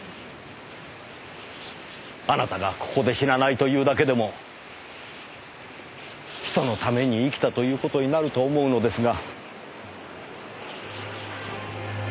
あなたがここで死なないというだけでも人のために生きたという事になると思うのですが。